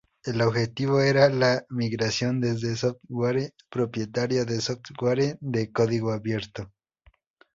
El objetivo era la migración desde software propietario a software de código abierto.